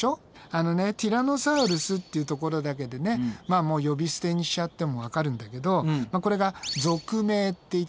あのねティラノサウルスっていうところだけでね呼び捨てにしちゃってもわかるんだけどこれが属名っていってね